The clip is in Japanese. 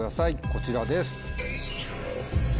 こちらです。